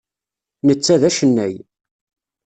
Netta d acennay.